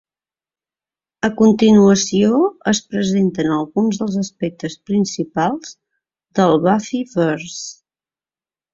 A continuació es presenten alguns dels aspectes principals del Buffyvers.